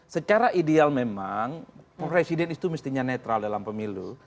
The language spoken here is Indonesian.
secara ideal memang presiden itu mestinya netral dalam pemilu